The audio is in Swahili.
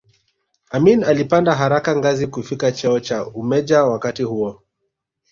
Amin alipanda haraka ngazi kufikia cheo cha umeja wakati huo